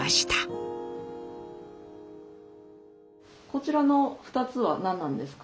こちらの２つは何なんですか？